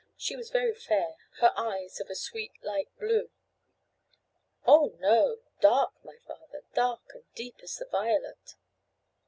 She was very fair, her eyes of a sweet light blue.' 'Oh! no; dark, my father; dark and deep as the violet.